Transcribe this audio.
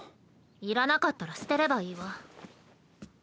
いらなかったら捨てればいいわ。